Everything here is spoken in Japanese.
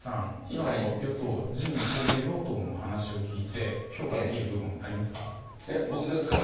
今、与党自民・公明両党の話を聞いて評価できる部分はありますか。